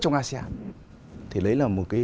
trong asia thì đấy là một cái